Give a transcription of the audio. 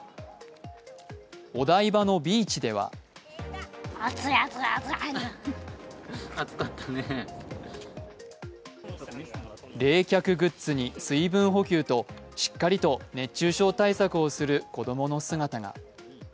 お台場のビーチでは冷却グッズに水分補給としっかりと熱中症対策をする子供の姿が。